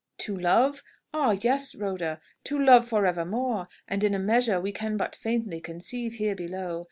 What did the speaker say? "To love? Ah, yes, Rhoda! To love for evermore, and in a measure we can but faintly conceive here below.